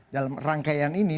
dalam rangkaian ini